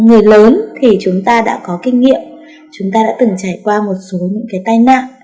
người lớn thì chúng ta đã có kinh nghiệm chúng ta đã từng trải qua một số những cái tai nạn